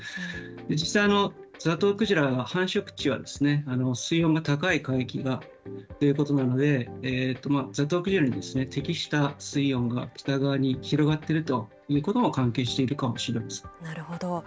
実際、ザトウクジラの繁殖地は水温が高い海域ということなので、ザトウクジラに適した水温が北側に広がっているということも関係なるほど。